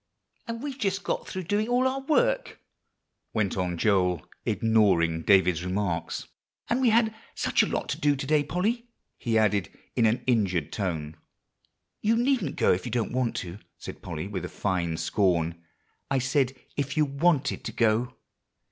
"And we've just got through doing all our work," went on Joel, ignoring David's remarks; "and we had such a lot to do to day Polly," he added in an injured tone. "You needn't go if you don't want to," said Polly, with a fine scorn; "I said if you wanted to go."